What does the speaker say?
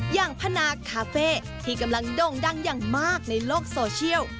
อย่างพนาคาเฟ่ที่กำลังโด่งดังอย่างมากในโลกโซเชียล